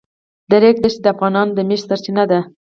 د ریګ دښتې د افغانانو د معیشت سرچینه ده.